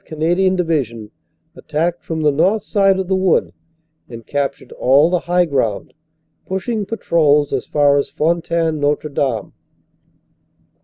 Canadian Division attacked from the north side of the Wood and captured all the high ground, pushing patrols as far as Fontaine Notre Dame.